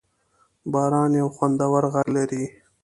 باران یو خوندور غږ لري.